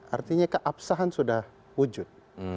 artinya keabsahan sudah wujud